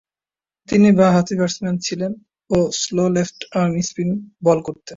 তিনি বাঁ-হাতি ব্যাটসম্যান ছিলেন ও slow left arm spin bowl করতেন।